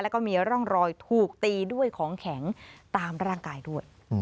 แล้วก็มีร่องรอยถูกตีด้วยของแข็งตามร่างกายด้วย